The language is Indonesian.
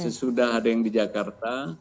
sesudah ada yang di jakarta